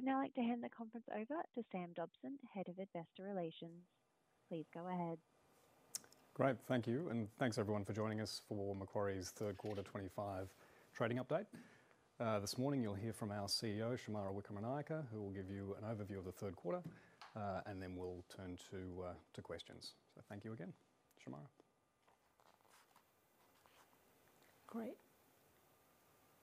I would now like to hand the conference over to Sam Dobson, Head of Investor Relations. Please go ahead. Great, thank you, and thanks everyone for joining us for Macquarie's third quarter 2025 trading update. This morning you'll hear from our CEO, Shemara Wikramanayake, who will give you an overview of the third quarter, and then we'll turn to questions. So thank you again, Shemara. Great.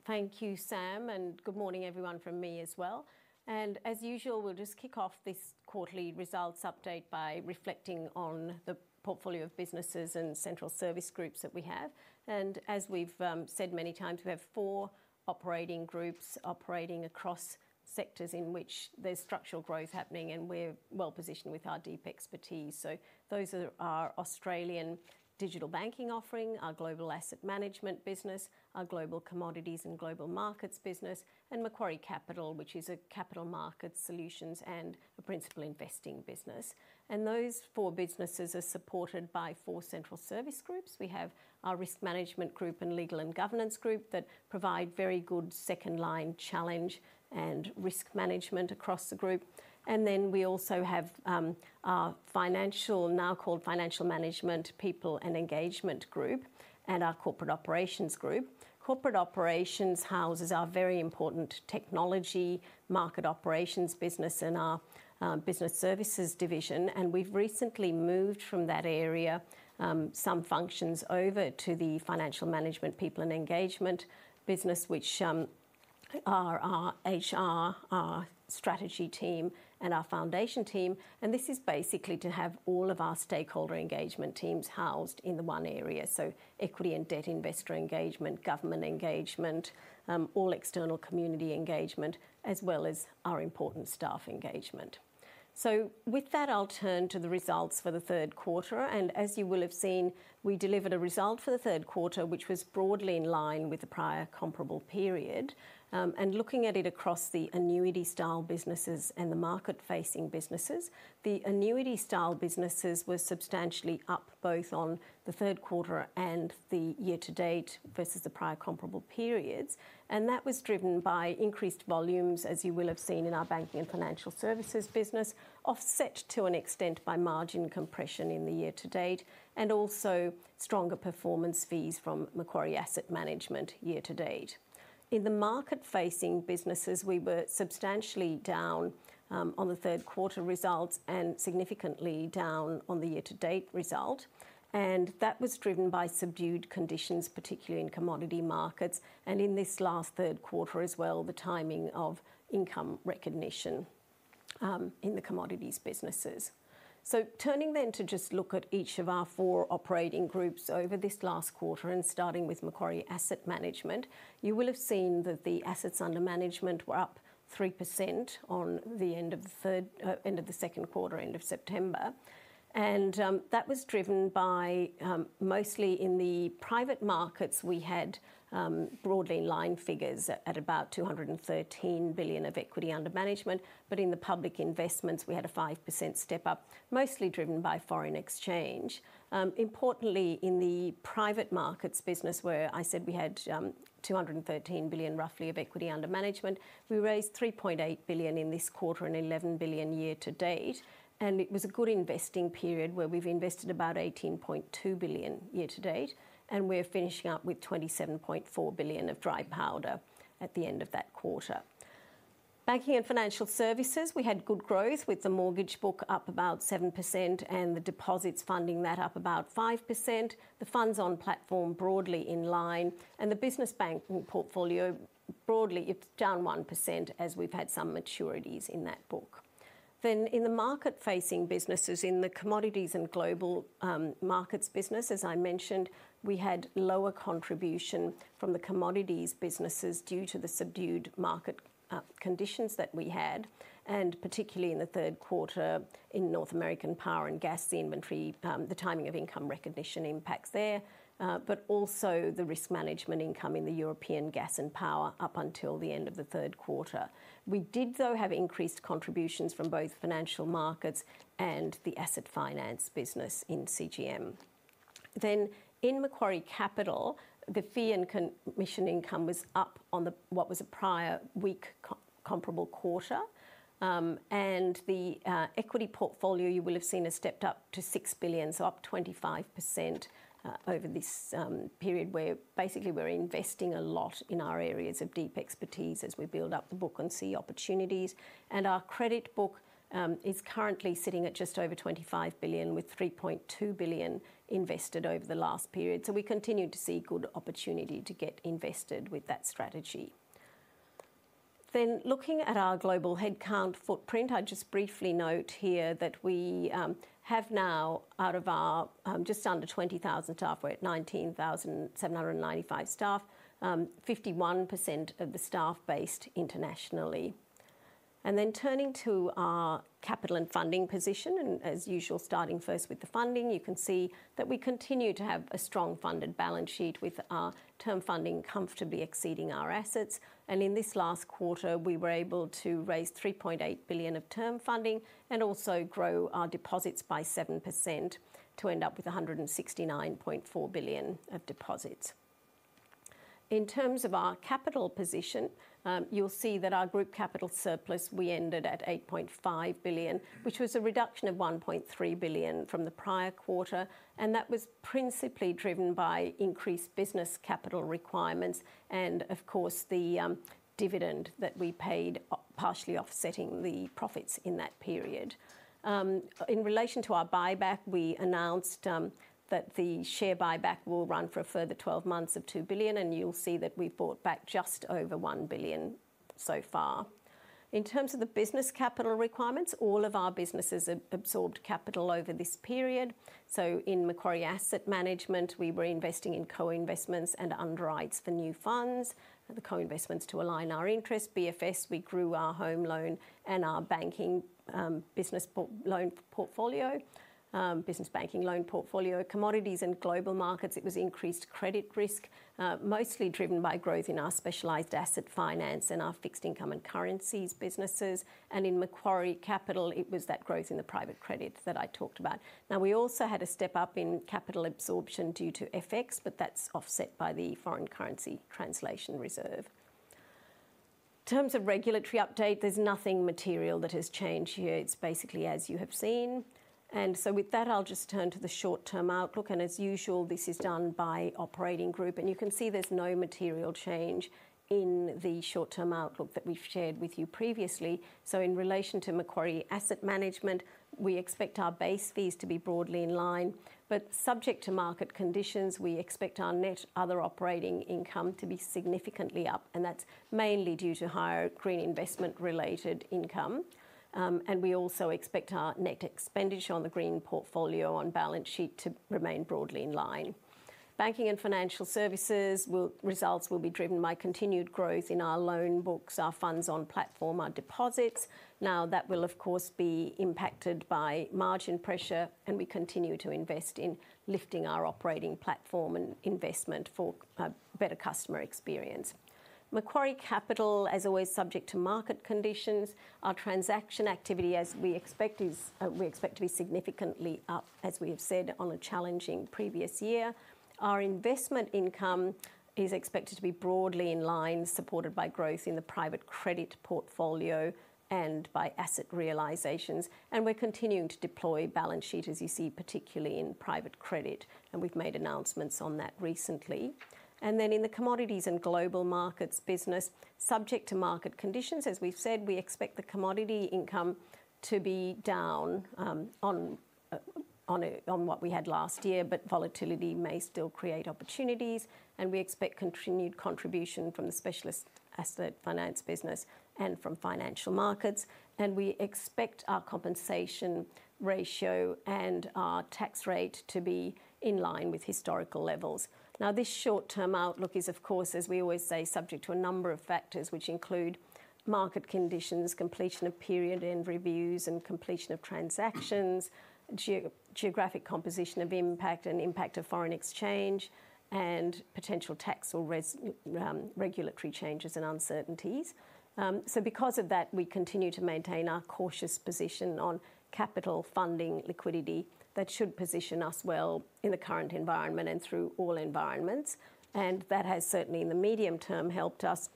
Thank you, Sam, and good morning everyone from me as well, and as usual, we'll just kick off this quarterly results update by reflecting on the portfolio of businesses and central service groups that we have, and as we've said many times, we have four operating groups operating across sectors in which there's structural growth happening, and we're well positioned with our deep expertise, so those are our Australian digital banking offering, our global asset management business, our global commodities and global markets business, and Macquarie Capital, which is a capital markets solutions and a principal investing business, and those four businesses are supported by four central service groups. We have our Risk Management Group and Legal and Governance Group that provide very good second line challenge and risk management across the group. And then we also have our financial, now called Financial Management ,People and Engagement Group, and our Corporate Operations group. Corporate operations houses our very important technology market operations business and our business services division. And we've recently moved from that area some functions over to the financial management people and engagement business, which are our HR, our strategy team, and our foundation team. And this is basically to have all of our stakeholder engagement teams housed in the one area. So equity and debt investor engagement, government engagement, all external community engagement, as well as our important staff engagement. So with that, I'll turn to the results for the third quarter. And as you will have seen, we delivered a result for the third quarter, which was broadly in line with the prior comparable period. Looking at it across the annuity style businesses and the market facing businesses, the annuity style businesses were substantially up both on the third quarter and the year to date versus the prior comparable periods. That was driven by increased volumes, as you will have seen in our banking and financial services business, offset to an extent by margin compression in the year to date, and also stronger performance fees from Macquarie Asset Management year to date. In the market facing businesses, we were substantially down on the third quarter results and significantly down on the year to date result. That was driven by subdued conditions, particularly in commodity markets. In this last third quarter as well, the timing of income recognition in the commodities businesses. Turning then to just look at each of our four operating groups over this last quarter, and starting with Macquarie Asset Management, you will have seen that the assets under management were up 3% on the end of the second quarter, end of September. And that was driven by mostly in the private markets, we had broadly in line figures at about 213 billion of equity under management. But in the public investments, we had a 5% step up, mostly driven by foreign exchange. Importantly, in the private markets business, where I said we had 213 billion roughly of equity under management, we raised 3.8 billion in this quarter and 11 billion year to date. And it was a good investing period where we've invested about 18.2 billion year to date. And we're finishing up with 27.4 billion of dry powder at the end of that quarter. Banking and Financial Services, we had good growth with the mortgage book up about 7% and the deposits funding that up about 5%. The funds on platform broadly in line, and the business banking portfolio broadly, it's down 1% as we've had some maturities in that book. Then in the market-facing businesses, in the Commodities and Global Markets business, as I mentioned, we had lower contribution from the commodities businesses due to the subdued market conditions that we had, and particularly in the third quarter in North American power and gas, the inventory, the timing of income recognition impacts there, but also the risk management income in the European gas and power up until the end of the third quarter. We did though have increased contributions from both financial markets and the asset finance business in CGM. Then in Macquarie Capital, the fee and commission income was up on what was a prior weak comparable quarter. And the equity portfolio, you will have seen, has stepped up to 6 billion, so up 25% over this period where basically we're investing a lot in our areas of deep expertise as we build up the book and see opportunities. And our credit book is currently sitting at just over 25 billion with 3.2 billion invested over the last period. So we continue to see good opportunity to get invested with that strategy. Then looking at our global headcount footprint, I just briefly note here that we have now out of our just under 20,000 staff, we're at 19,795 staff, 51% of the staff based internationally. Then turning to our capital and funding position, and as usual, starting first with the funding, you can see that we continue to have a strong funded balance sheet with our term funding comfortably exceeding our assets. In this last quarter, we were able to raise 3.8 billion of term funding and also grow our deposits by 7% to end up with 169.4 billion of deposits. In terms of our capital position, you'll see that our group capital surplus, we ended at 8.5 billion, which was a reduction of 1.3 billion from the prior quarter. That was principally driven by increased business capital requirements and of course the dividend that we paid, partially offsetting the profits in that period. In relation to our buyback, we announced that the share buyback will run for a further 12 months of 2 billion, and you'll see that we've bought back just over 1 billion so far. In terms of the business capital requirements, all of our businesses absorbed capital over this period, so in Macquarie Asset Management, we were investing in co-investments and underwrites for new funds, the co-investments to align our interest, BFS, we grew our home loan and our banking business loan portfolio, business banking loan portfolio, Commodities and Global Markets, it was increased credit risk, mostly driven by growth in our specialized asset finance and our fixed income and currencies businesses, and in Macquarie Capital, it was that growth in the private credit that I talked about. Now we also had a step up in capital absorption due to FX, but that's offset by the Foreign Currency Translation Reserve. In terms of regulatory update, there's nothing material that has changed here. It's basically as you have seen, and so with that, I'll just turn to the short-term outlook, and as usual, this is done by operating group. And you can see there's no material change in the short-term outlook that we've shared with you previously, so in relation to Macquarie Asset Management, we expect our base fees to be broadly in line, but subject to market conditions, we expect our net other operating income to be significantly up, and that's mainly due to higher green investment-related income, and we also expect our net expenditure on the green portfolio on balance sheet to remain broadly in line. Banking and Financial Services results will be driven by continued growth in our loan books, our Funds on Platform, our deposits. Now that will of course be impacted by margin pressure, and we continue to invest in lifting our operating platform and investment for a better customer experience. Macquarie Capital, as always, subject to market conditions. Our transaction activity, as we expect, is expected to be significantly up, as we have said, on a challenging previous year. Our investment income is expected to be broadly in line, supported by growth in the private credit portfolio and by asset realizations. And we're continuing to deploy balance sheet, as you see, particularly in private credit. And we've made announcements on that recently. And then in the commodities and global markets business, subject to market conditions, as we've said, we expect the commodity income to be down on what we had last year, but volatility may still create opportunities. We expect continued contribution from the specialist asset finance business and from financial markets. We expect our compensation ratio and our tax rate to be in line with historical levels. Now this short term outlook is, of course, as we always say, subject to a number of factors, which include market conditions, completion of period and reviews, and completion of transactions, geographic composition of impact and impact of foreign exchange, and potential tax or regulatory changes and uncertainties. Because of that, we continue to maintain our cautious position on capital funding liquidity that should position us well in the current environment and through all environments. That has certainly in the medium term helped us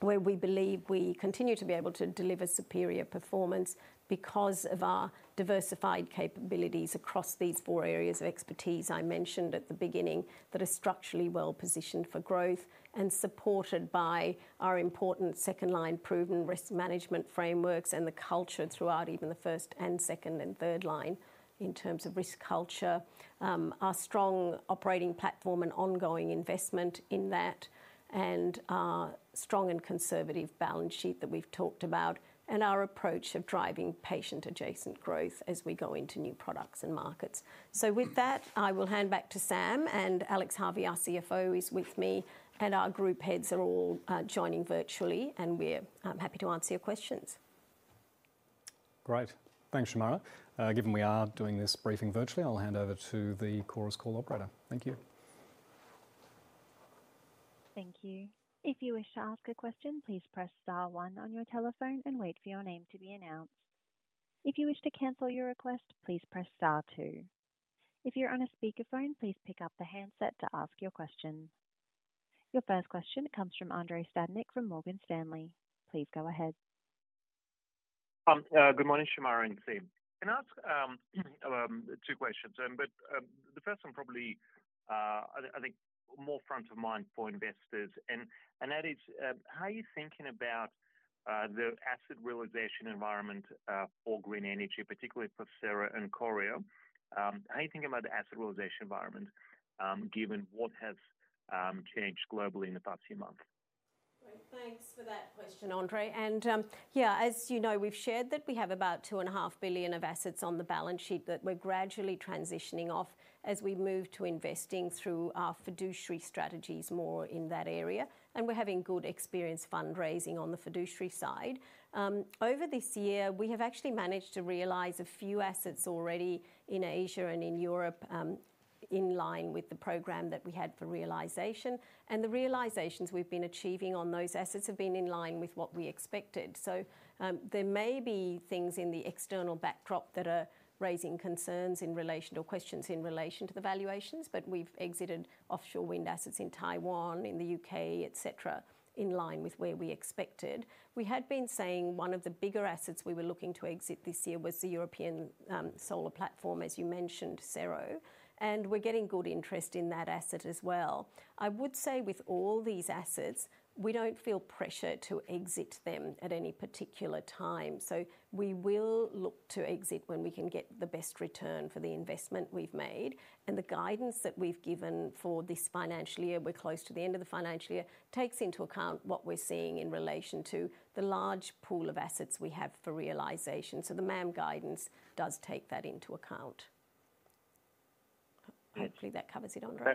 where we believe we continue to be able to deliver superior performance because of our diversified capabilities across these four areas of expertise I mentioned at the beginning that are structurally well positioned for growth and supported by our important second line proven risk management frameworks and the culture throughout even the first and second and third line in terms of risk culture, our strong operating platform and ongoing investment in that, and our strong and conservative balance sheet that we've talked about, and our approach of driving patient adjacent growth as we go into new products and markets. With that, I will hand back to Sam and Alex Harvey, our CFO, is with me. Our group heads are all joining virtually, and we're happy to answer your questions. Great. Thanks, Shemara. Given we are doing this briefing virtually, I'll hand over to the Chorus Call operator. Thank you. Thank you. If you wish to ask a question, please press star one on your telephone and wait for your name to be announced. If you wish to cancel your request, please press star two. If you're on a speakerphone, please pick up the handset to ask your question. Your first question comes from Andrei Stadnik from Morgan Stanley. Please go ahead. Good morning, Shamara and team. Can I ask two questions? But the first one probably, I think, more front of mind for investors. And that is, how are you thinking about the asset realization environment for green energy, particularly for cero and Corio? How are you thinking about the asset realization environment given what has changed globally in the past few months? Thanks for that question, Andre. Yeah, as you know, we've shared that we have about 2.5 billion of assets on the balance sheet that we're gradually transitioning off as we move to investing through our fiduciary strategies more in that area. We're having good experience fundraising on the fiduciary side. Over this year, we have actually managed to realize a few assets already in Asia and in Europe in line with the program that we had for realization. The realizations we've been achieving on those assets have been in line with what we expected. So there may be things in the external backdrop that are raising concerns in relation to or questions in relation to the valuations, but we've exited offshore wind assets in Taiwan, in the U.K., et cetera, in line with where we expected. We had been saying one of the bigger assets we were looking to exit this year was the European solar platform, as you mentioned, Sero. And we're getting good interest in that asset as well. I would say with all these assets, we don't feel pressure to exit them at any particular time. So we will look to exit when we can get the best return for the investment we've made. And the guidance that we've given for this financial year, we're close to the end of the financial year, takes into account what we're seeing in relation to the large pool of assets we have for realization. So the MAM guidance does take that into account. Hopefully that covers it, Andrew.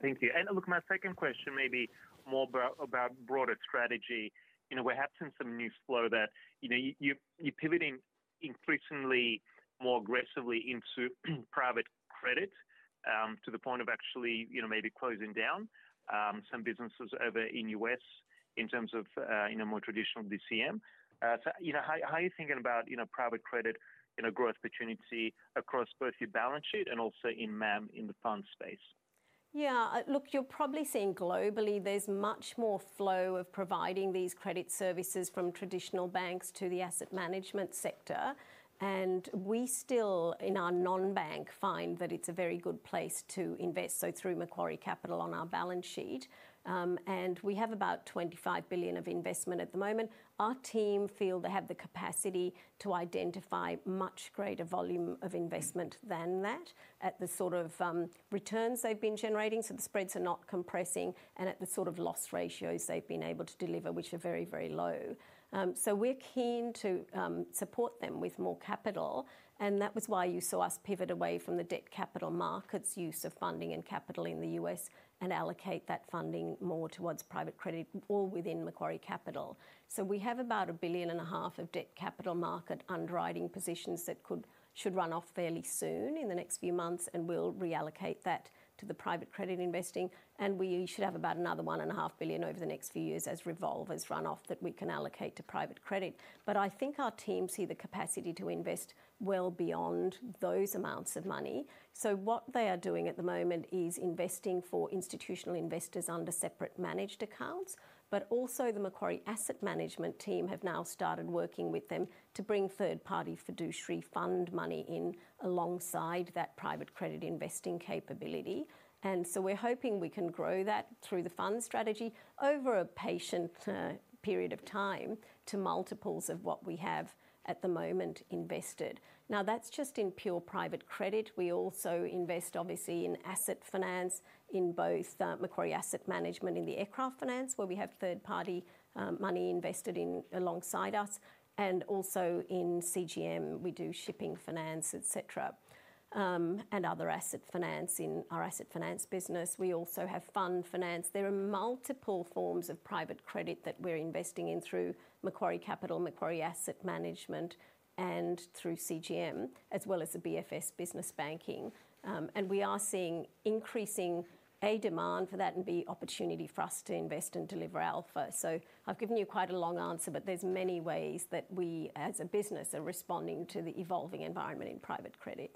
Thank you. And look, my second question may be more about broader strategy. We're having some new flow that you're pivoting increasingly more aggressively into private credit to the point of actually maybe closing down some businesses over in the U.S. in terms of more traditional DCM. So how are you thinking about private credit growth opportunity across both your balance sheet and also in MAM in the fund space? Yeah, look, you're probably seeing globally there's much more flow of providing these credit services from traditional banks to the asset management sector. And we still in our non-bank find that it's a very good place to invest. So through Macquarie Capital on our balance sheet. And we have about 25 billion of investment at the moment. Our team feel they have the capacity to identify much greater volume of investment than that at the sort of returns they've been generating. So the spreads are not compressing and at the sort of loss ratios they've been able to deliver, which are very, very low. So we're keen to support them with more capital. And that was why you saw us pivot away from the debt capital markets use of funding and capital in the U.S. and allocate that funding more towards private credit all within Macquarie Capital. So we have about 1.5 billion of debt capital market underwriting positions that should run off fairly soon in the next few months and we'll reallocate that to the private credit investing. And we should have about another 1.5 billion over the next few years as revolvers run off that we can allocate to private credit. But I think our teams see the capacity to invest well beyond those amounts of money. So what they are doing at the moment is investing for institutional investors under separate managed accounts, but also the Macquarie Asset Management team have now started working with them to bring third party fiduciary fund money in alongside that private credit investing capability. And so we're hoping we can grow that through the fund strategy over a patient period of time to multiples of what we have at the moment invested. Now that's just in pure private credit. We also invest obviously in asset finance in both Macquarie Asset Management in the aircraft finance where we have third-party money invested in alongside us and also in CGM we do shipping finance, et cetera, and other asset finance in our asset finance business. We also have fund finance. There are multiple forms of private credit that we're investing in through Macquarie Capital, Macquarie Asset Management, and through CGM as well as the BFS business banking. And we are seeing increasing demand for that and opportunity for us to invest and deliver alpha. So I've given you quite a long answer, but there's many ways that we as a business are responding to the evolving environment in private credit.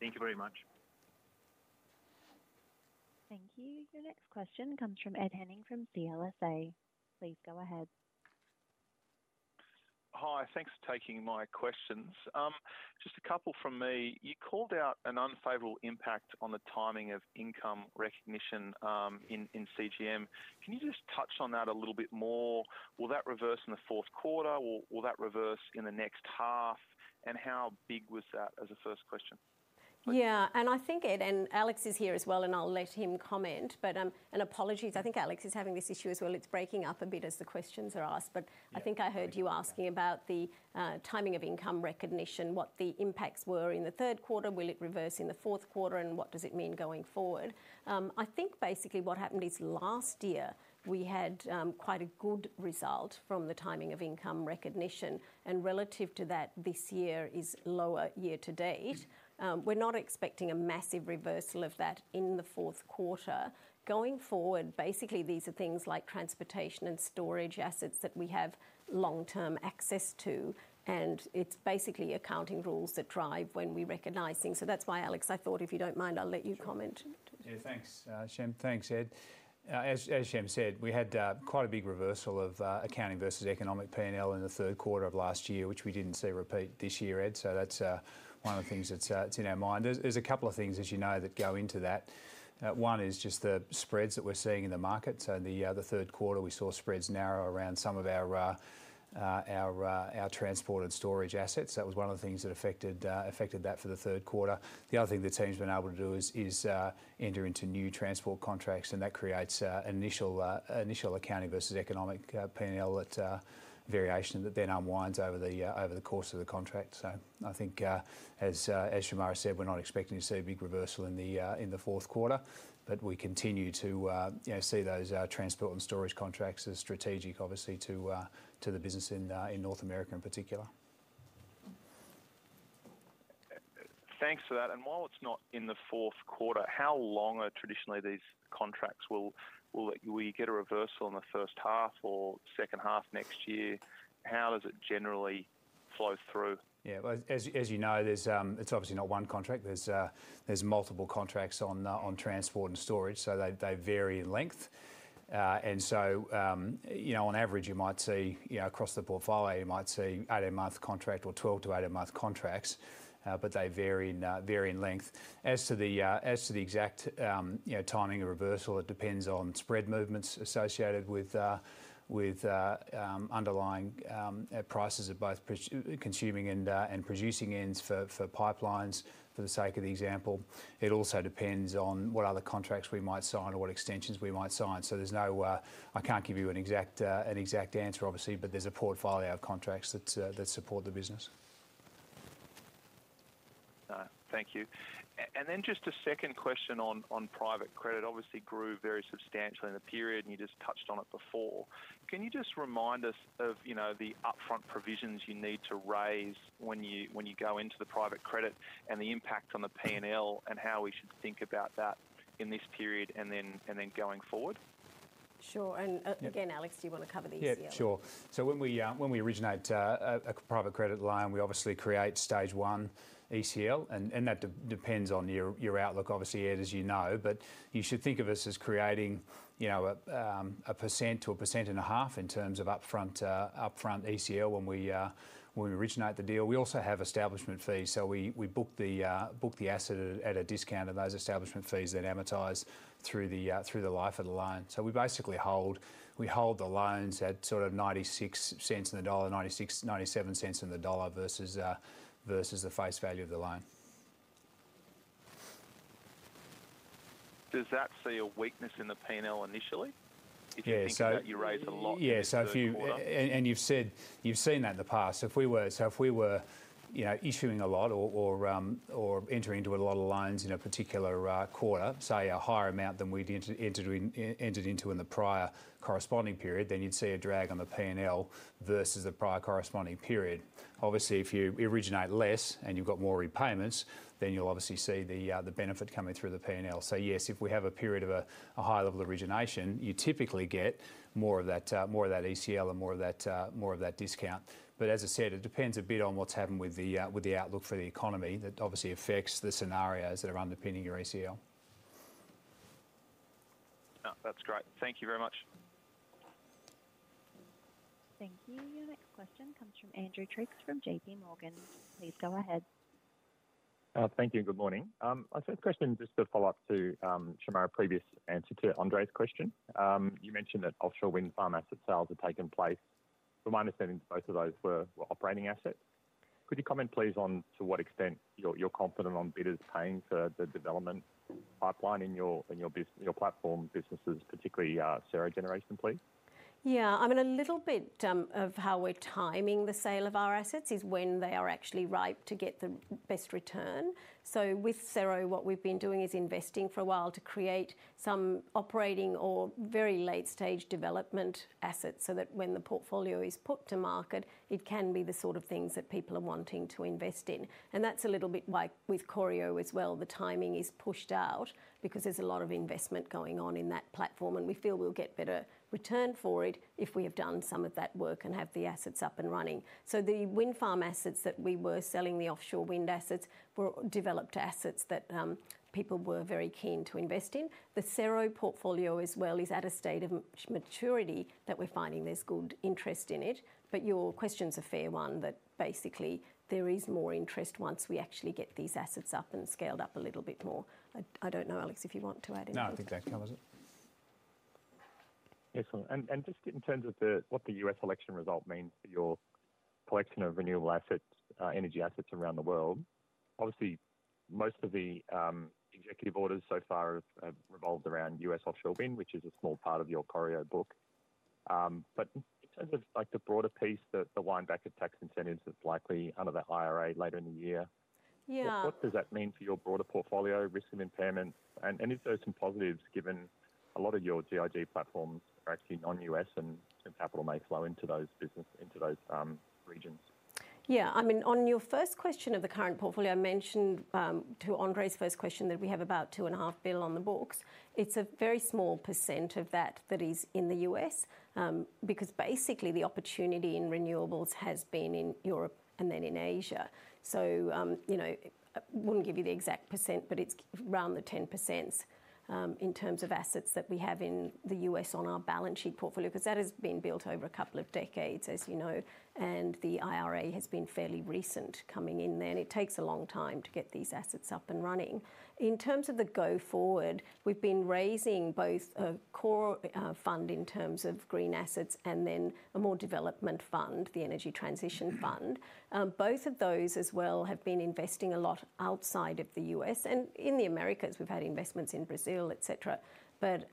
Thank you very much. Thank you. Your next question comes from Ed Henning from CLSA. Please go ahead. Hi, thanks for taking my questions. Just a couple from me. You called out an unfavorable impact on the timing of income recognition in CGM. Can you just touch on that a little bit more? Will that reverse in the fourth quarter? Will that reverse in the next half, and how big was that as a first question? Yeah, and I think Ed and Alex is here as well, and I'll let him comment, but my apologies. I think Alex is having this issue as well. It's breaking up a bit as the questions are asked, but I think I heard you asking about the timing of income recognition, what the impacts were in the third quarter, will it reverse in the fourth quarter, and what does it mean going forward? I think basically what happened is last year we had quite a good result from the timing of income recognition. And relative to that, this year is lower year to date. We're not expecting a massive reversal of that in the fourth quarter. Going forward, basically these are things like transportation and storage assets that we have long-term access to. And it's basically accounting rules that drive when we recognize things. So that's why Alex, I thought if you don't mind, I'll let you comment. Yeah, thanks, Shem. Thanks, Ed. As Shem said, we had quite a big reversal of accounting versus economic P&L in the third quarter of last year, which we didn't see repeat this year, Ed. So that's one of the things that's in our mind. There's a couple of things, as you know, that go into that. One is just the spreads that we're seeing in the market. So the third quarter we saw spreads narrow around some of our transport and storage assets. That was one of the things that affected that for the third quarter. The other thing the team's been able to do is enter into new transport contracts, and that creates initial accounting versus economic P&L variation that then unwinds over the course of the contract. So I think as Shamara said, we're not expecting to see a big reversal in the fourth quarter, but we continue to see those transport and storage contracts as strategic, obviously, to the business in North America in particular. Thanks for that. And while it's not in the fourth quarter, how long are traditionally these contracts? Will we get a reversal in the first half or second half next year? How does it generally flow through? Yeah, as you know, it's obviously not one contract. There's multiple contracts on transport and storage. So they vary in length. And so on average, you might see across the portfolio, you might see eight a month contract or 12 to eight a month contracts, but they vary in length. As to the exact timing of reversal, it depends on spread movements associated with underlying prices at both consuming and producing ends for pipelines, for the sake of the example. It also depends on what other contracts we might sign or what extensions we might sign. So there's no, I can't give you an exact answer, obviously, but there's a portfolio of contracts that support the business. Thank you. And then just a second question on private credit. Obviously grew very substantially in the period, and you just touched on it before. Can you just remind us of the upfront provisions you need to raise when you go into the private credit and the impact on the P&L and how we should think about that in this period and then going forward? Sure, and again, Alex, do you want to cover the ECL? Yeah, sure. So when we originate a private credit line, we obviously create Stage 1 ECL. And that depends on your outlook, obviously, Ed, as you know, but you should think of us as creating 1%-1.5% in terms of upfront ECL when we originate the deal. We also have establishment fees. So we book the asset at a discount of those establishment fees that amortize through the life of the loan. So we basically hold the loans at sort of 96 cents in the dollar, 96-97 cents in the dollar versus the face value of the loan. Does that see a weakness in the P&L initially? If you think that you raise a lot in the first quarter. Yeah, so if you, and you've seen that in the past. So if we were issuing a lot or entering into a lot of loans in a particular quarter, say a higher amount than we entered into in the prior corresponding period, then you'd see a drag on the P&L versus the prior corresponding period. Obviously, if you originate less and you've got more repayments, then you'll obviously see the benefit coming through the P&L. So yes, if we have a period of a high level of origination, you typically get more of that ECL and more of that discount. But as I said, it depends a bit on what's happened with the outlook for the economy that obviously affects the scenarios that are underpinning your ECL. That's great. Thank you very much. Thank you. Your next question comes from Andrew Triggs from JP Morgan. Please go ahead. Thank you and good morning. My first question is just to follow up to Shemara's previous answer to Andrei's question. You mentioned that offshore wind farm asset sales have taken place. From my understanding, both of those were operating assets. Could you comment please on to what extent you're confident on bidders paying for the development pipeline in your platform businesses, particularly Cero Generation, please? Yeah, I mean, a little bit of how we're timing the sale of our assets is when they are actually ripe to get the best return. So with Sero, what we've been doing is investing for a while to create some operating or very late stage development assets so that when the portfolio is put to market, it can be the sort of things that people are wanting to invest in. And that's a little bit like with Corio as well. The timing is pushed out because there's a lot of investment going on in that platform, and we feel we'll get better return for it if we have done some of that work and have the assets up and running. So the wind farm assets that we were selling, the offshore wind assets were developed assets that people were very keen to invest in. The Sero portfolio as well is at a state of maturity that we're finding there's good interest in it. But your question's a fair one that basically there is more interest once we actually get these assets up and scaled up a little bit more. I don't know, Alex, if you want to add anything. No, I think that covers it. Excellent, and just in terms of what the U.S. election result means for your collection of renewable energy assets around the world, obviously most of the executive orders so far have revolved around U.S. offshore wind, which is a small part of your Corio book. But in terms of the broader piece, the windback of tax incentives that's likely under the IRA later in the year, what does that mean for your broader portfolio risk and impairment? And is there some positives given a lot of your GIG platforms are actually non-U.S. and capital may flow into those regions? Yeah, I mean, on your first question of the current portfolio, I mentioned to Andre's first question that we have about 2.5 billion on the books. It's a very small percent of that that is in the U.S. because basically the opportunity in renewables has been in Europe and then in Asia. So I wouldn't give you the exact percent, but it's around the 10% in terms of assets that we have in the U.S. on our balance sheet portfolio because that has been built over a couple of decades, as you know, and the IRA has been fairly recent coming in there. And it takes a long time to get these assets up and running. In terms of the go forward, we've been raising both a core fund in terms of green assets and then a more development fund, the Energy Transition Fund. Both of those as well have been investing a lot outside of the U.S. And in the Americas, we've had investments in Brazil, et cetera. But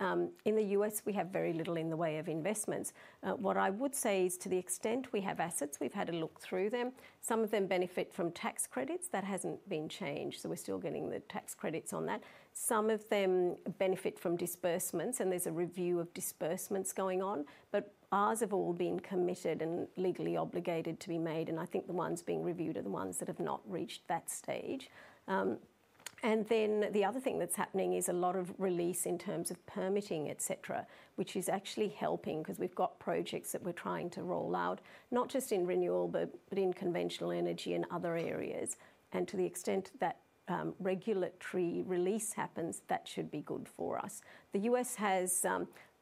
in the U.S., we have very little in the way of investments. What I would say is to the extent we have assets, we've had a look through them. Some of them benefit from tax credits. That hasn't been changed. So we're still getting the tax credits on that. Some of them benefit from disbursements, and there's a review of disbursements going on, but ours have all been committed and legally obligated to be made. And I think the ones being reviewed are the ones that have not reached that stage. And then the other thing that's happening is a lot of release in terms of permitting, et cetera, which is actually helping because we've got projects that we're trying to roll out, not just in renewable, but in conventional energy and other areas. And to the extent that regulatory release happens, that should be good for us. The U.S. has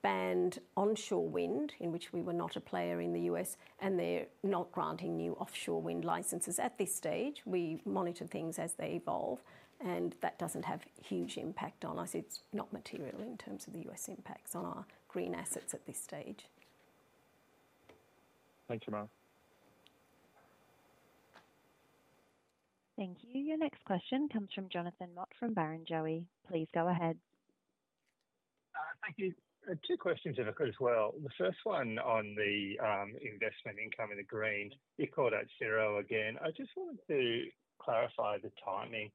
banned onshore wind, in which we were not a player in the U.S., and they're not granting new offshore wind licenses at this stage. We monitor things as they evolve, and that doesn't have huge impact on us. It's not material in terms of the U.S. impacts on our green assets at this stage. Thanks, Shamara. Thank you. Your next question comes from Jonathan Mott from Barrenjoey. Please go ahead. Thank you. Two questions if I could as well. The first one on the investment income in the green, you called out Sero again. I just wanted to clarify the timing.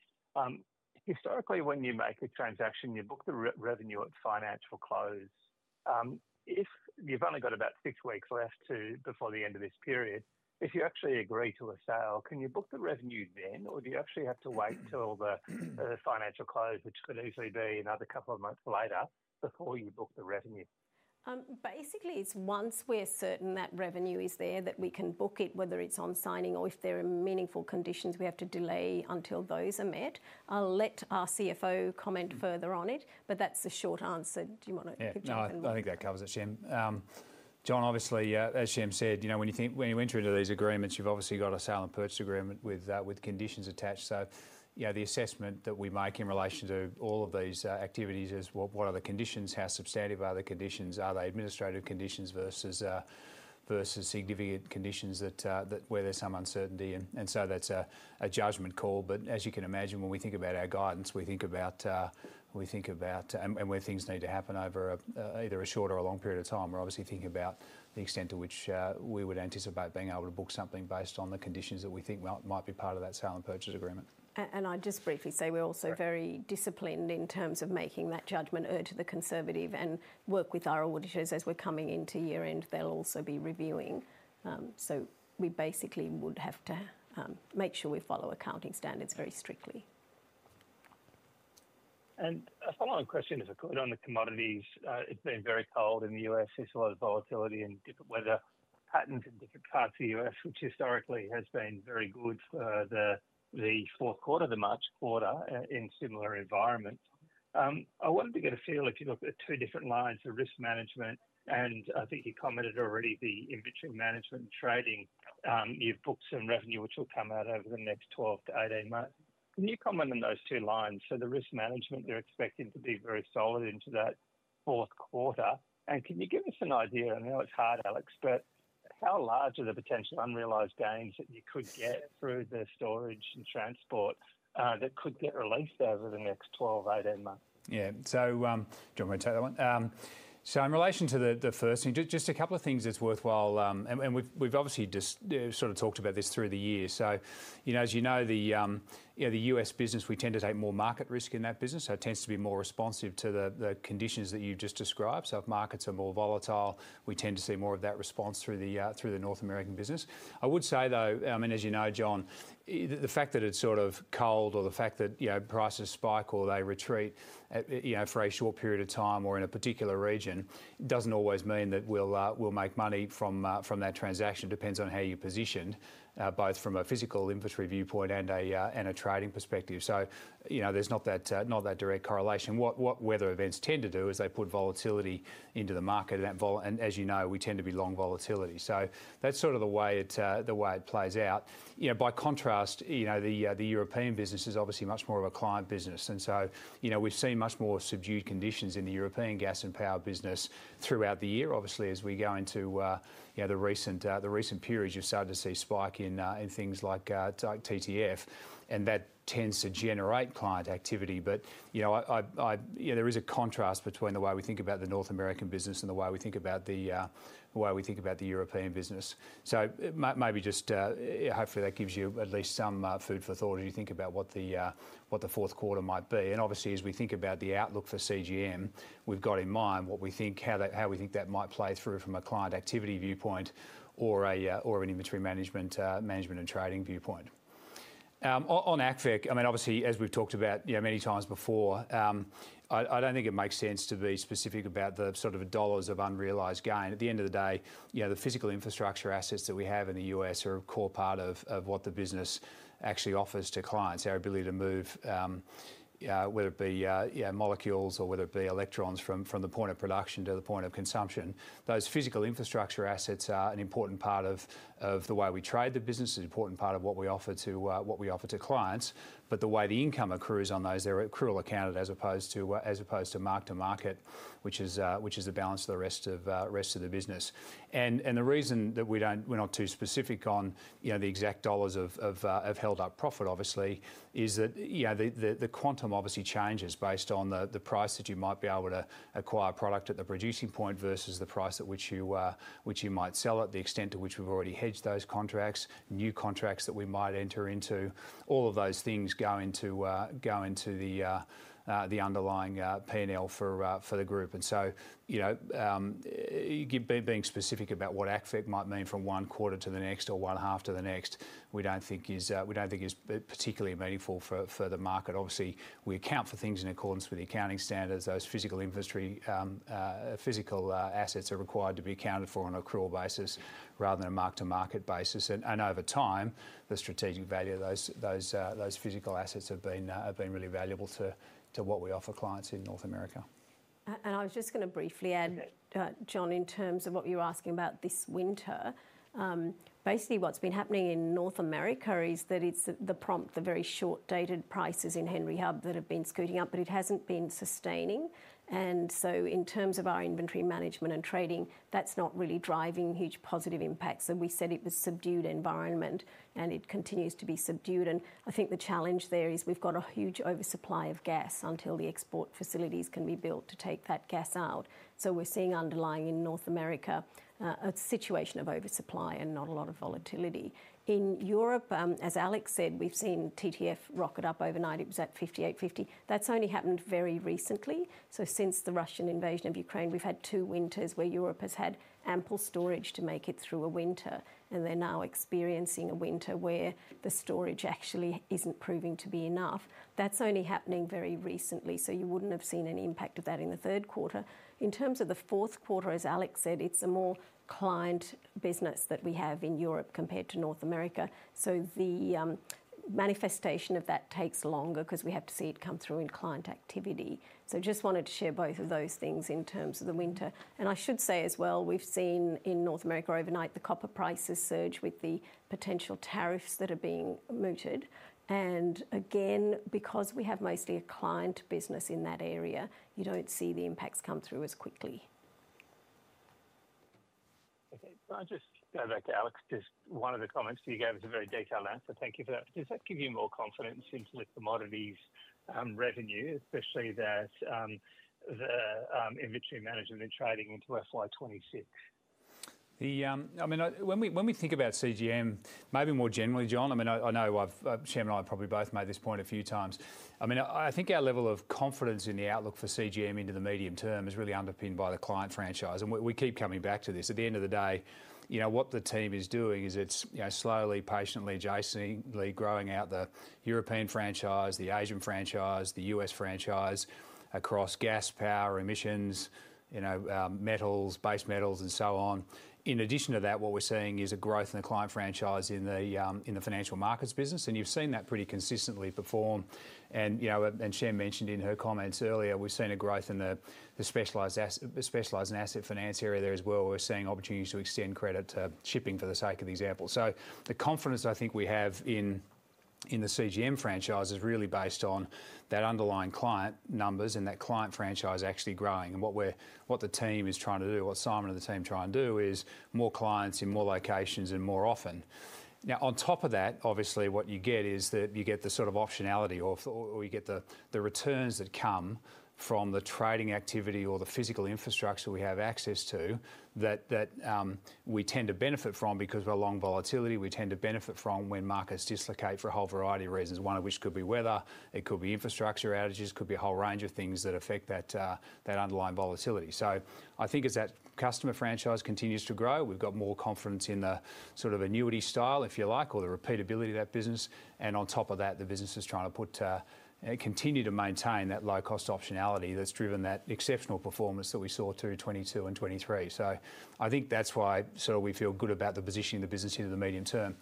Historically, when you make a transaction, you book the revenue at financial close. If you've only got about six weeks left before the end of this period, if you actually agree to a sale, can you book the revenue then, or do you actually have to wait till the financial close, which could easily be another couple of months later, before you book the revenue? Basically, it's once we're certain that revenue is there that we can book it, whether it's on signing or if there are meaningful conditions we have to delay until those are met. I'll let our CFO comment further on it, but that's the short answer. Do you want to keep going? No, I think that covers it, Shem. John, obviously, as Shem said, when you enter into these agreements, you've obviously got a sale and purchase agreement with conditions attached. So the assessment that we make in relation to all of these activities is what are the conditions, how substantive are the conditions, are they administrative conditions versus significant conditions where there's some uncertainty. And so that's a judgment call. But as you can imagine, when we think about our guidance, we think about, and when things need to happen over either a short or a long period of time, we're obviously thinking about the extent to which we would anticipate being able to book something based on the conditions that we think might be part of that sale and purchase agreement. I'll just briefly say we're also very disciplined in terms of making that judgment, err on the conservative and work with our auditors as we're coming into year-end. They'll also be reviewing. We basically would have to make sure we follow accounting standards very strictly. And a follow-on question, if I could, on the commodities. It's been very cold in the U.S. There's a lot of volatility in different weather patterns in different parts of the U.S., which historically has been very good for the fourth quarter, the March quarter, in similar environments. I wanted to get a feel if you look at two different lines of risk management, and I think you commented already the inventory management and trading. You've booked some revenue, which will come out over the next 12-18 months. Can you comment on those two lines? So the risk management, you're expecting to be very solid into that fourth quarter. Can you give us an idea, and I know it's hard, Alex, but how large are the potential unrealized gains that you could get through the storage and transport that could get released over the next 12-18 months? Yeah. So John, I'm going to take that one. So in relation to the first thing, just a couple of things that's worthwhile, and we've obviously sort of talked about this through the years. So as you know, the US business, we tend to take more market risk in that business. So it tends to be more responsive to the conditions that you've just described. So if markets are more volatile, we tend to see more of that response through the North American business. I would say though, I mean, as you know, John, the fact that it's sort of cold or the fact that prices spike or they retreat for a short period of time or in a particular region doesn't always mean that we'll make money from that transaction. Depends on how you're positioned, both from a physical inventory viewpoint and a trading perspective. So there's not that direct correlation. What weather events tend to do is they put volatility into the market. And as you know, we tend to be long volatility. So that's sort of the way it plays out. By contrast, the European business is obviously much more of a client business. And so we've seen much more subdued conditions in the European gas and power business throughout the year, obviously, as we go into the recent periods. You've started to see a spike in things like TTF, and that tends to generate client activity. But there is a contrast between the way we think about the North American business and the way we think about the European business. So maybe just hopefully that gives you at least some food for thought as you think about what the fourth quarter might be. And obviously, as we think about the outlook for CGM, we've got in mind what we think, how we think that might play through from a client activity viewpoint or an inventory management and trading viewpoint. On AcVol, I mean, obviously, as we've talked about many times before, I don't think it makes sense to be specific about the sort of dollars of unrealized gain. At the end of the day, the physical infrastructure assets that we have in the U.S. are a core part of what the business actually offers to clients, our ability to move, whether it be molecules or whether it be electrons from the point of production to the point of consumption. Those physical infrastructure assets are an important part of the way we trade the business, an important part of what we offer to clients. But the way the income accrues on those, they're accrual accounted as opposed to mark-to-market, which is the balance of the rest of the business. And the reason that we're not too specific on the exact dollars of held up profit, obviously, is that the quantum obviously changes based on the price that you might be able to acquire product at the producing point versus the price at which you might sell it, the extent to which we've already hedged those contracts, new contracts that we might enter into. All of those things go into the underlying P&L for the group. And so being specific about what ACVIC might mean from one quarter to the next or one half to the next, we don't think is particularly meaningful for the market. Obviously, we account for things in accordance with the accounting standards. Those physical assets are required to be accounted for on an accrual basis rather than a mark-to-market basis, and over time, the strategic value of those physical assets have been really valuable to what we offer clients in North America. I was just going to briefly add, John, in terms of what you're asking about this winter. Basically what's been happening in North America is that it's the prompt, the very short-dated prices in Henry Hub that have been scooting up, but it hasn't been sustaining. And so in terms of our inventory management and trading, that's not really driving huge positive impacts. And we said it was a subdued environment, and it continues to be subdued. And I think the challenge there is we've got a huge oversupply of gas until the export facilities can be built to take that gas out. So we're seeing underlying in North America a situation of oversupply and not a lot of volatility. In Europe, as Alex said, we've seen TTF rocket up overnight. It was at 58.50. That's only happened very recently. So since the Russian invasion of Ukraine, we've had two winters where Europe has had ample storage to make it through a winter, and they're now experiencing a winter where the storage actually isn't proving to be enough. That's only happening very recently. So you wouldn't have seen an impact of that in the third quarter. In terms of the fourth quarter, as Alex said, it's a more client business that we have in Europe compared to North America. So the manifestation of that takes longer because we have to see it come through in client activity. So I just wanted to share both of those things in terms of the winter. And I should say as well, we've seen in North America overnight the copper prices surge with the potential tariffs that are being mooted. Again, because we have mostly a client business in that area, you don't see the impacts come through as quickly. Okay. I'll just go back to Alex. Just one of the comments you gave was a very detailed answer. Thank you for that. Does that give you more confidence into the commodities revenue, especially that the inventory management and trading into FY26? I mean, when we think about CGM, maybe more generally, John, I mean, I know Shem and I have probably both made this point a few times. I mean, I think our level of confidence in the outlook for CGM into the medium term is really underpinned by the client franchise. And we keep coming back to this. At the end of the day, what the team is doing is it's slowly, patiently, adjacently growing out the European franchise, the Asian franchise, the US franchise across gas, power, emissions, metals, base metals, and so on. In addition to that, what we're seeing is a growth in the client franchise in the financial markets business. And you've seen that pretty consistently perform. And Shem mentioned in her comments earlier, we've seen a growth in the specialized and asset finance area there as well. We're seeing opportunities to extend credit to shipping for the sake of the example, so the confidence I think we have in the CGM franchise is really based on that underlying client numbers and that client franchise actually growing, and what the team is trying to do, what Simon and the team are trying to do is more clients in more locations and more often. Now, on top of that, obviously, what you get is that you get the sort of optionality or you get the returns that come from the trading activity or the physical infrastructure we have access to that we tend to benefit from because we're long volatility. We tend to benefit from when markets dislocate for a whole variety of reasons, one of which could be weather, it could be infrastructure outages, could be a whole range of things that affect that underlying volatility. So I think as that customer franchise continues to grow, we've got more confidence in the sort of annuity style, if you like, or the repeatability of that business. And on top of that, the business is trying to continue to maintain that low-cost optionality that's driven that exceptional performance that we saw through 2022 and 2023. So I think that's why sort of we feel good about the positioning of the business into the medium term.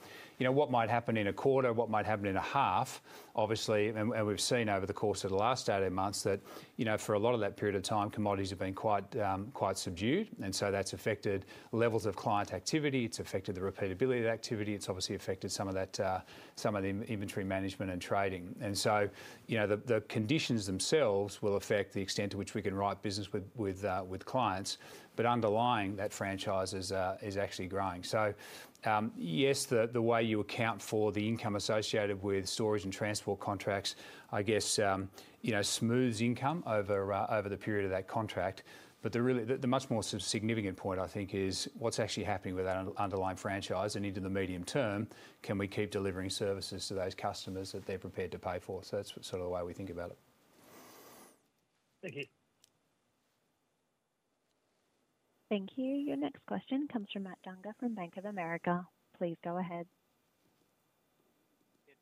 What might happen in a quarter, what might happen in a half, obviously, and we've seen over the course of the last 18 months that for a lot of that period of time, commodities have been quite subdued. And so that's affected levels of client activity. It's affected the repeatability of activity. It's obviously affected some of the inventory management and trading. And so the conditions themselves will affect the extent to which we can write business with clients. But underlying that franchise is actually growing. So yes, the way you account for the income associated with storage and transport contracts, I guess, smooths income over the period of that contract. But the much more significant point, I think, is what's actually happening with that underlying franchise and into the medium term, can we keep delivering services to those customers that they're prepared to pay for? So that's sort of the way we think about it. Thank you. Thank you. Your next question comes from Matt Dunger from Bank of America. Please go ahead.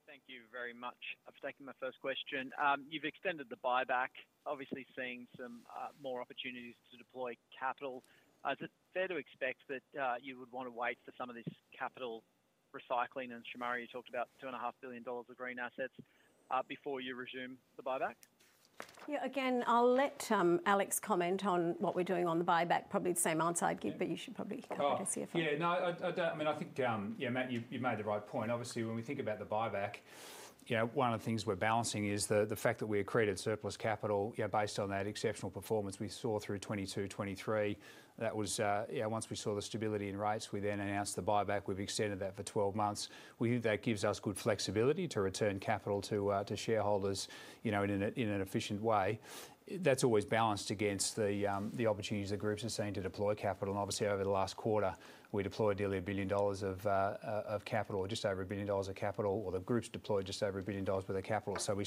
Thank you very much. I've taken my first question. You've extended the buyback, obviously seeing some more opportunities to deploy capital. Is it fair to expect that you would want to wait for some of this capital recycling and Shemara talked about 2.5 billion dollars of green assets before you resume the buyback? Yeah. Again, I'll let Alex comment on what we're doing on the buyback. Probably the same answer I'd give, but you should probably come back and see it from. Yeah. No, I mean, I think, yeah, Matt, you've made the right point. Obviously, when we think about the buyback, one of the things we're balancing is the fact that we accreted surplus capital based on that exceptional performance we saw through 2022, 2023. That was once we saw the stability in rates, we then announced the buyback. We've extended that for 12 months. That gives us good flexibility to return capital to shareholders in an efficient way. That's always balanced against the opportunities the groups are seeing to deploy capital. And obviously, over the last quarter, we deployed nearly 1 billion dollars of capital, or just over 1 billion dollars of capital, or the groups deployed just over 1 billion dollars worth of capital. So we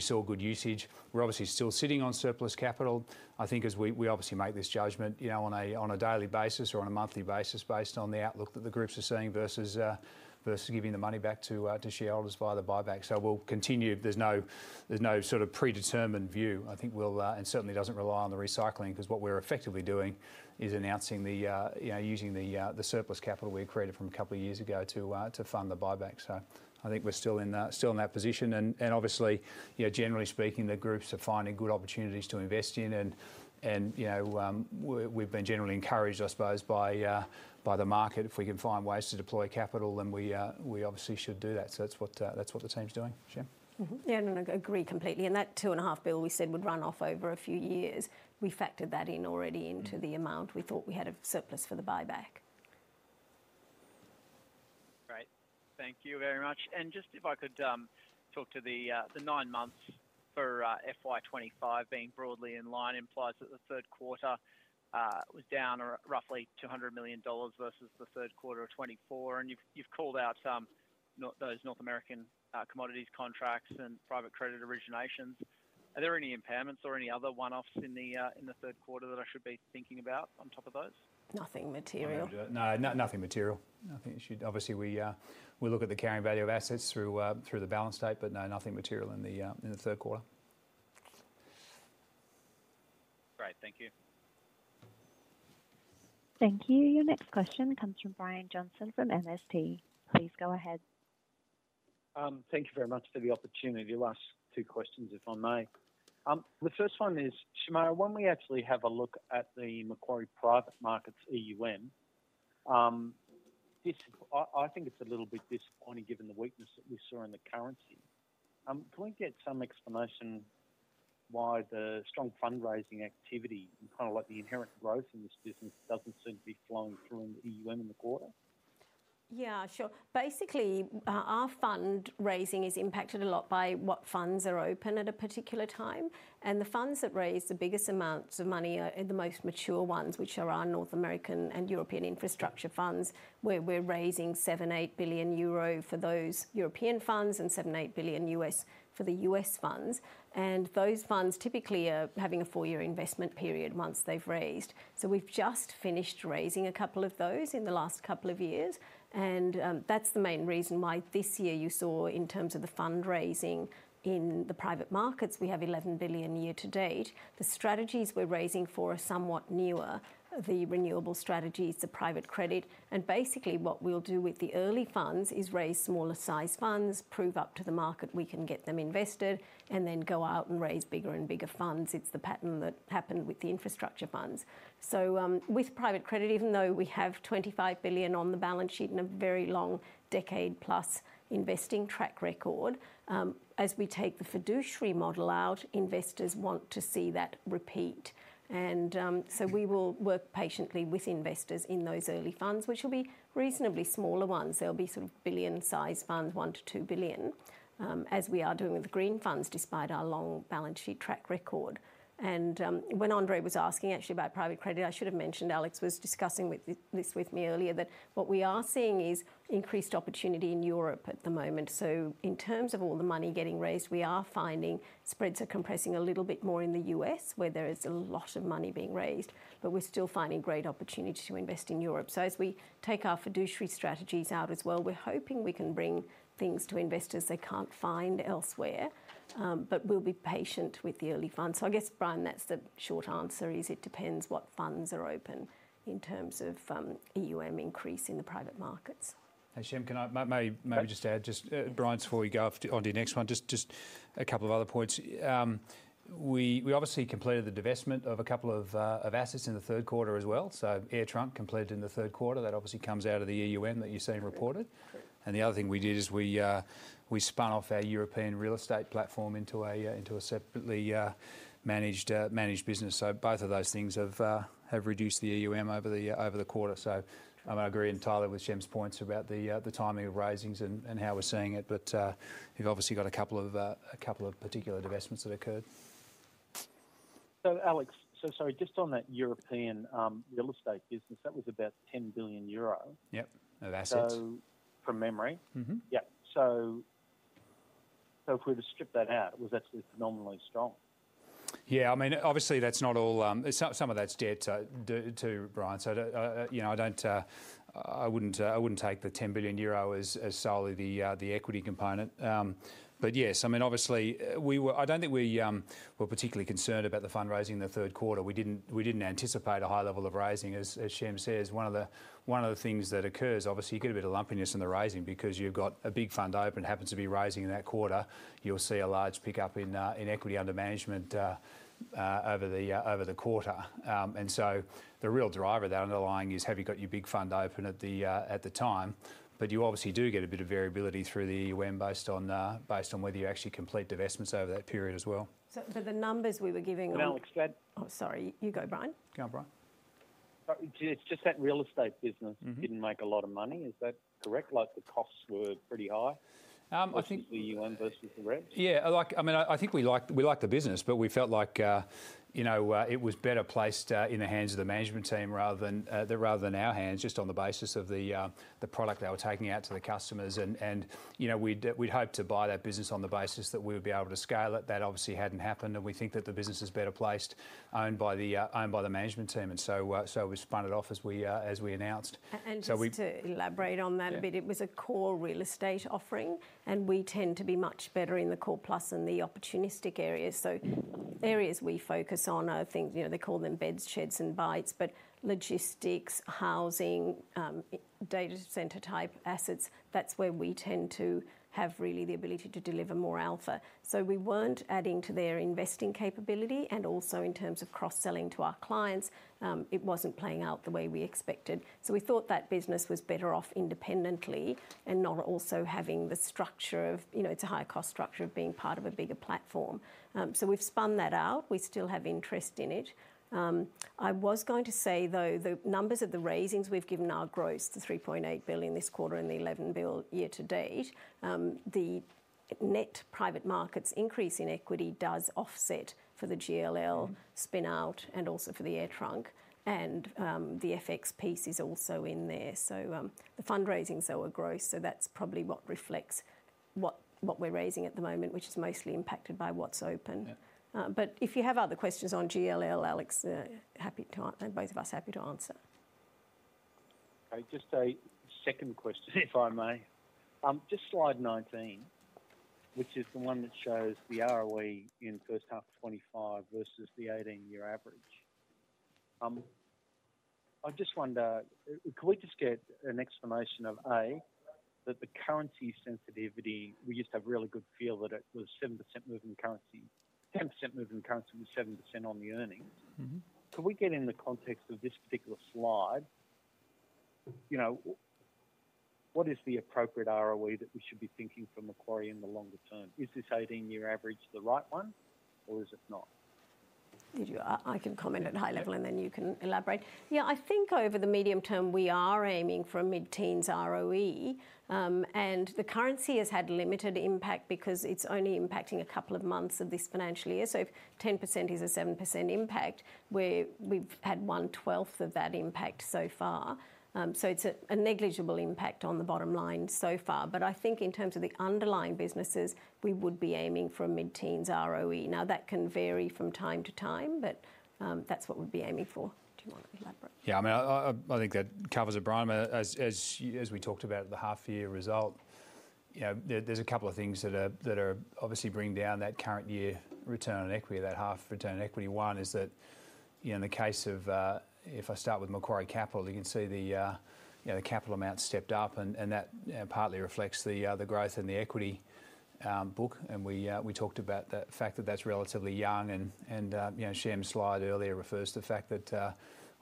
saw good usage. We're obviously still sitting on surplus capital. I think as we obviously make this judgment on a daily basis or on a monthly basis based on the outlook that the groups are seeing versus giving the money back to shareholders via the buyback. So we'll continue. There's no sort of predetermined view. I think we'll, and certainly doesn't rely on the recycling because what we're effectively doing is announcing the use of the surplus capital we accrued from a couple of years ago to fund the buyback. So I think we're still in that position, and obviously, generally speaking, the groups are finding good opportunities to invest in. We've been generally encouraged, I suppose, by the market. If we can find ways to deploy capital, then we obviously should do that. So that's what the team's doing. Yeah. And I agree completely. And that 2.5 billion we said would run off over a few years. We factored that in already into the amount we thought we had of surplus for the buyback. Great. Thank you very much. And just if I could talk to the nine months for FY25 being broadly in line, implies that the third quarter was down roughly 200 million dollars versus the third quarter of 2024. And you've called out those North American commodities contracts and private credit originations. Are there any impairments or any other one-offs in the third quarter that I should be thinking about on top of those? Nothing material. No, nothing material. I think obviously we look at the carrying value of assets through the balance sheet, but no, nothing material in the third quarter. Great. Thank you. Thank you. Your next question comes from Brian Johnson from MST. Please go ahead. Thank you very much for the opportunity. Last two questions, if I may. The first one is, Shemara, when we actually have a look at the Macquarie Private Markets EUM, I think it's a little bit disappointing given the weakness that we saw in the currency. Can we get some explanation why the strong fundraising activity and kind of like the inherent growth in this business doesn't seem to be flowing through in the EUM in the quarter? Yeah, sure. Basically, our fundraising is impacted a lot by what funds are open at a particular time. And the funds that raise the biggest amounts of money are the most mature ones, which are our North American and European infrastructure funds. We're raising 7-8 billion euro for those European funds and $7-8 billion for the US funds. And those funds typically are having a four-year investment period once they've raised. So we've just finished raising a couple of those in the last couple of years. And that's the main reason why this year you saw in terms of the fundraising in the private markets, we have 11 billion year to date. The strategies we're raising for are somewhat newer, the renewable strategies, the private credit. Basically what we'll do with the early funds is raise smaller size funds, prove up to the market we can get them invested, and then go out and raise bigger and bigger funds. It's the pattern that happened with the infrastructure funds. So with private credit, even though we have 25 billion on the balance sheet and a very long decade plus investing track record, as we take the fiduciary model out, investors want to see that repeat. And so we will work patiently with investors in those early funds, which will be reasonably smaller ones. There'll be sort of billion size funds, 1 billion-2 billion, as we are doing with the green funds despite our long balance sheet track record. And when Andrei was asking actually about private credit, I should have mentioned Alex was discussing this with me earlier that what we are seeing is increased opportunity in Europe at the moment. So in terms of all the money getting raised, we are finding spreads are compressing a little bit more in the U.S. where there is a lot of money being raised, but we're still finding great opportunity to invest in Europe. So as we take our fiduciary strategies out as well, we're hoping we can bring things to investors they can't find elsewhere, but we'll be patient with the early funds. So I guess, Brian, that's the short answer, is it depends what funds are open in terms of EUM increase in the private markets. Hey, Shem, can I maybe just add, just Brian before you go on to your next one, just a couple of other points. We obviously completed the divestment of a couple of assets in the third quarter as well. So AirTrunk completed in the third quarter. That obviously comes out of the EUM that you're seeing reported. And the other thing we did is we spun off our European real estate platform into a separately managed business. So both of those things have reduced the EUM over the quarter. So I'm going to agree entirely with Shem's points about the timing of raisings and how we're seeing it, but we've obviously got a couple of particular divestments that occurred. So Alex, so sorry, just on that European real estate business, that was about 10 billion euro. Yep, of assets. So from memory, yeah. So if we were to strip that out, it was actually phenomenally strong. Yeah. I mean, obviously that's not all, some of that's debt too, Brian. So I wouldn't take the 10 billion euro as solely the equity component. But yes, I mean, obviously I don't think we were particularly concerned about the fundraising in the third quarter. We didn't anticipate a high level of raising, as Shem says. One of the things that occurs, obviously you get a bit of lumpiness in the raising because you've got a big fund open, happens to be raising in that quarter, you'll see a large pickup in equity under management over the quarter. And so the real driver of that underlying is have you got your big fund open at the time, but you obviously do get a bit of variability through the EUM based on whether you actually complete divestments over that period as well. So the numbers we were giving. Alex, go ahead. Oh, sorry. You go, Brian. Go on, Brian. It's just that real estate business didn't make a lot of money. Is that correct? Like the costs were pretty high, especially for EUM versus the rest? Yeah. I mean, I think we liked the business, but we felt like it was better placed in the hands of the management team rather than our hands just on the basis of the product that we're taking out to the customers. And we'd hoped to buy that business on the basis that we would be able to scale it. That obviously hadn't happened. And we think that the business is better placed, owned by the management team. And so we spun it off as we announced. Just to elaborate on that a bit, it was a core real estate offering, and we tend to be much better in the core plus and the opportunistic areas. Areas we focus on are things they call beds, sheds, and bytes, but logistics, housing, data center type assets. That's where we tend to have really the ability to deliver more alpha. We weren't adding to their investing capability. Also in terms of cross-selling to our clients, it wasn't playing out the way we expected. We thought that business was better off independently and not also having the structure of, it's a high-cost structure of being part of a bigger platform. We've spun that out. We still have interest in it. I was going to say though, the numbers of the raisings we've given are gross, the 3.8 billion this quarter and the 11 billion year to date. The net private markets increase in equity does offset for the GLL spin-out and also for the AirTrunk. The FX piece is also in there. The fundraising is our gross. That's probably what reflects what we're raising at the moment, which is mostly impacted by what's open. If you have other questions on GLL, Alex, happy to answer. Both of us happy to answer. Okay. Just a second question, if I may. Just slide 19, which is the one that shows the ROE in first half of 2025 versus the 18-year average. I just wonder, could we just get an explanation of, A, that the currency sensitivity, we used to have a really good feel that it was 7% moving currency, 10% moving currency was 7% on the earnings. Could we get in the context of this particular slide, what is the appropriate ROE that we should be thinking from Macquarie in the longer term? Is this 18-year average the right one or is it not? I can comment at high level and then you can elaborate. Yeah, I think over the medium term, we are aiming for a mid-teens ROE. And the currency has had limited impact because it's only impacting a couple of months of this financial year. So if 10% is a 7% impact, we've had one-twelfth of that impact so far. So it's a negligible impact on the bottom line so far. But I think in terms of the underlying businesses, we would be aiming for a mid-teens ROE. Now, that can vary from time to time, but that's what we'd be aiming for. Do you want to elaborate? Yeah. I mean, I think that covers it, Brian. As we talked about the half-year result, there's a couple of things that are obviously bringing down that current year return on equity, that half return on equity. One is that in the case of, if I start with Macquarie Capital, you can see the capital amount stepped up and that partly reflects the growth in the equity book. And we talked about the fact that that's relatively young. And Shem's slide earlier refers to the fact that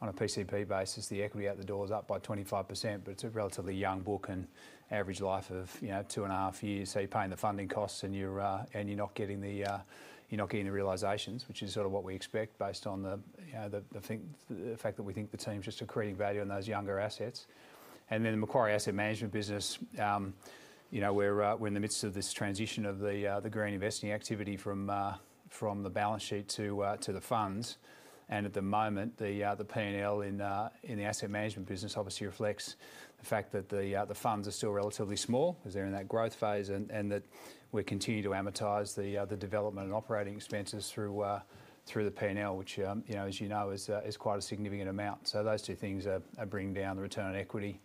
on a PCP basis, the equity out the door is up by 25%, but it's a relatively young book and average life of two and a half years. So you're paying the funding costs and you're not getting the realizations, which is sort of what we expect based on the fact that we think the team's just accreting value on those younger assets. And then the Macquarie Asset Management business, we're in the midst of this transition of the green investing activity from the balance sheet to the funds. And at the moment, the P&L in the asset management business obviously reflects the fact that the funds are still relatively small because they're in that growth phase and that we continue to amortize the development and operating expenses through the P&L, which, as you know, is quite a significant amount. So those two things are bringing down the return on equity.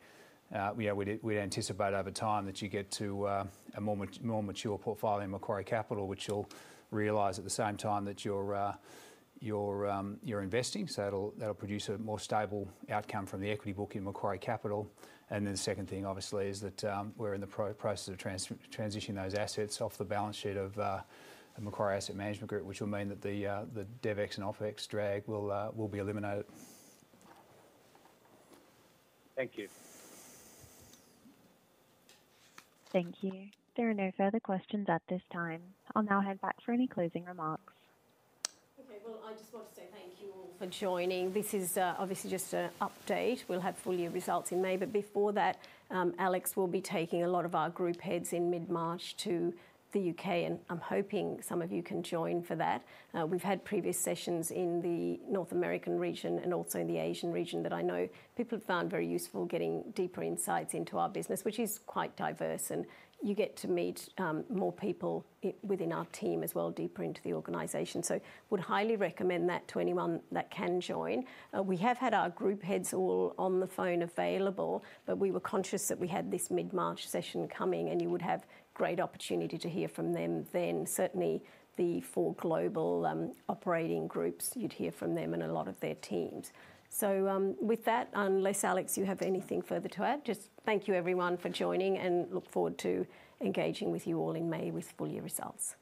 We'd anticipate over time that you get to a more mature portfolio in Macquarie Capital, which you'll realize at the same time that you're investing. So that'll produce a more stable outcome from the equity book in Macquarie Capital. The second thing obviously is that we're in the process of transitioning those assets off the balance sheet of the Macquarie Asset Management Group, which will mean that the DevEx and OpEx drag will be eliminated. Thank you. Thank you. There are no further questions at this time. I'll now hand back for any closing remarks. Okay. Well, I just want to say thank you all for joining. This is obviously just an update. We'll have full year results in May. But before that, Alex, we'll be taking a lot of our group heads in mid-March to the U.K., and I'm hoping some of you can join for that. We've had previous sessions in the North American region and also in the Asian region that I know people have found very useful getting deeper insights into our business, which is quite diverse. And you get to meet more people within our team as well, deeper into the organization. So I would highly recommend that to anyone that can join. We have had our group heads all on the phone available, but we were conscious that we had this mid-March session coming and you would have great opportunity to hear from them then. Certainly the four global operating groups, you'd hear from them and a lot of their teams. So with that, unless Alex, you have anything further to add, just thank you, everyone for joining and look forward to engaging with you all in May with full year results. Thanks.